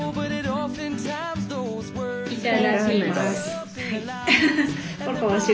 いただきます。